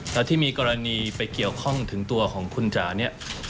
แล้วที่มีกรณีไปเกี่ยวข้องถึงตัวของคุณจ๋าเนี่ย